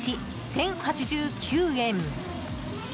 １０８９円。